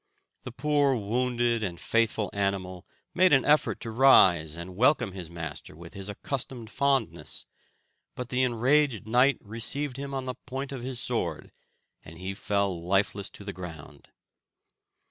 The poor wounded and faithful animal made an effort to rise and welcome his master with his accustomed fondness; but the enraged knight received him on the point of his sword, and he fell lifeless to the ground.